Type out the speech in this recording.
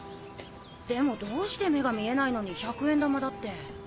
でもどうして目が見えないのに１００円玉だって。